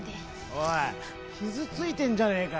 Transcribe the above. おい傷ついてんじゃねえか！